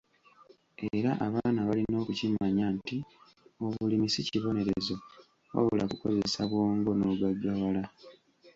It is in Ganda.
Era abaana balina okukimanya nti obulimi si kibonerezo, wabula kukozesa bwongo n'ogaggawala.